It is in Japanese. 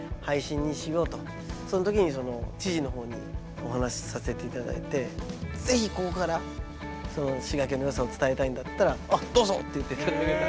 その時に知事のほうにお話しさせていただいて是非ここから滋賀県のよさを伝えたいんだったら「あどうぞ」って言っていただけた。